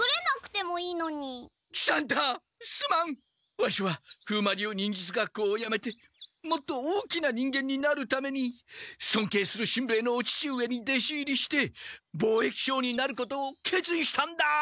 ワシは風魔流忍術学校をやめてもっと大きな人間になるためにそんけいするしんべヱのお父上に弟子入りして貿易商になることを決意したんだ！